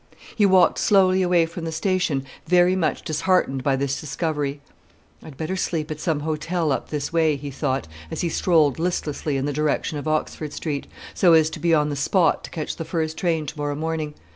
He walked slowly away from the station, very much disheartened by this discovery. "I'd better sleep at some hotel up this way," he thought, as he strolled listlessly in the direction of Oxford Street, "so as to be on the spot to catch the first train to morrow morning.